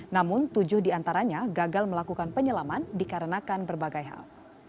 namun tujuh diantaranya gagal melakukan penyelaman dikarenakan berbagai hal